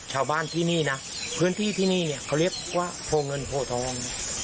ชาวบ้านที่นี่นะพื้นที่ที่นี่เนี่ยเขาเรียกว่าโพเงินโพทอง